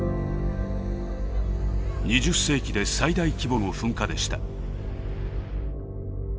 ２０世紀で最大規模の噴火でした。